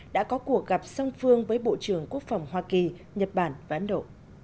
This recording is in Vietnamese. đã có cuộc gặp song phương với bộ trưởng quốc phòng hoa kỳ nhật bản và ấn độ